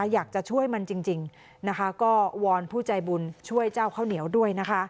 อยากจะช่วยมันจริงนะคะก็วอนผู้ใจบุญช่วยเจ้าข้าวเหนียวด้วยนะคะ